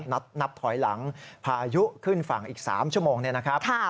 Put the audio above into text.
นับถอยหลังพายุขึ้นฝั่งอีก๓ชั่วโมงเนี่ยนะครับ